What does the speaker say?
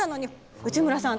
内村さん